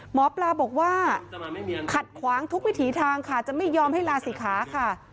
หมอปลาบอกว่าขัดขวางทุกวิถีทางค่ะจะไม่ยอมให้ลาศิกขาค่ะ